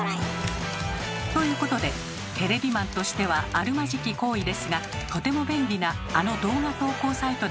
ということでテレビマンとしてはあるまじき行為ですがとても便利なあの動画投稿サイトで検索。